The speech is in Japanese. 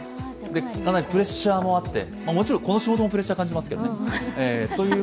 かなりプレッシャーもあってこの仕事もプレッシャー感じてますけどね。